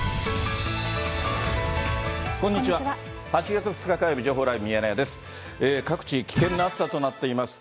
８月２日火曜日、情報ライブミヤネ屋です。